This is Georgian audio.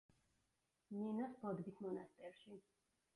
ნინოს ბოდბის მონასტერში.